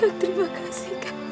kakak terima kasih kak